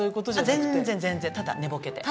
全然全然ただ寝ぼけて。